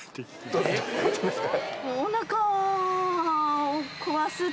どういうことですか。